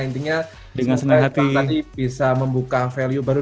intinya dengan tadi bisa membuka value baru